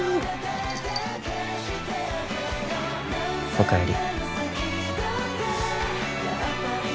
おかえり